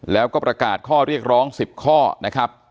แล้วก็ประกาศข้อเรียกร้อง๑๐ข้อนะครับ